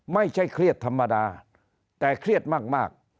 ไม่ใช่เครียดธรรมดาแต่เครียดมาก